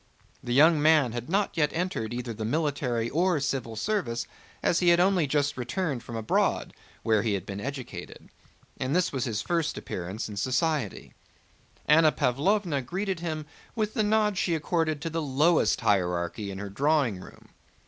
The young man had not yet entered either the military or civil service, as he had only just returned from abroad where he had been educated, and this was his first appearance in society. Anna Pávlovna greeted him with the nod she accorded to the lowest hierarchy in her drawing room.